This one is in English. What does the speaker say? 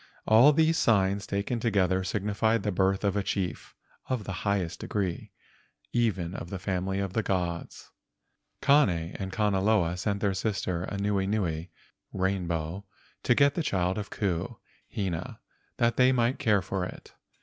All these signs taken together signified the birth of a chief of the highest degree—even of the family of the gods. Kane and Kanaloa sent their sister Anuenue (rainbow) to get the child of Ku and Hina that they might care for it.